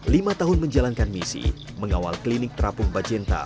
lima tahun menjalankan misi mengawal klinik terapung bajenta